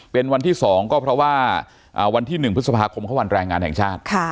เป็นวันที่๒ก็เพราะว่าวันที่๑พฤษภาคมเข้าวันแรงงานแห่งชาติ